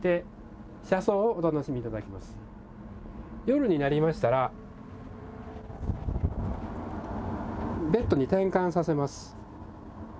夜になりましたらベッドに転換させます。